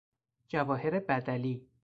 جواهر بدلی